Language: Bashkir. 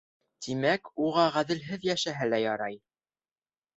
Тимәк, уға ғәҙелһеҙ йәшәһә лә ярай.